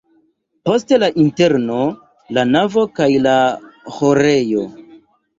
Poste la interno, la navo kaj la ĥorejo.